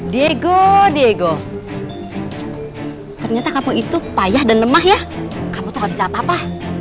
diego diego ternyata kampung itu payah dan lemah ya kamu tuh gak bisa apa apa